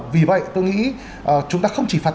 vì vậy tôi nghĩ chúng ta không chỉ phạt